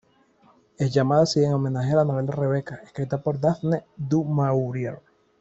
Es llamado así en homenaje a la novela Rebeca, escrita por Daphne du Maurier.